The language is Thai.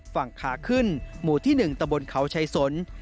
ฝั่งขาขึ้นหมู่ที่๑ตะบนเขาชัยสน